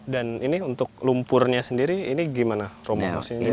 dan ini untuk lumpurnya sendiri ini gimana romo